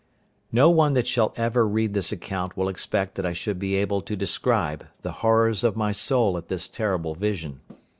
No one that shall ever read this account will expect that I should be able to describe the horrors of my soul at this terrible vision.